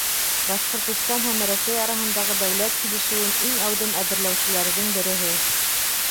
Башҡортостан һәм Рәсәй араһындағы дәүләт килешеүен иң әүҙем әҙерләүселәрҙең береһе.